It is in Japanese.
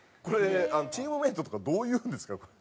これチームメートとかどう言うんですか？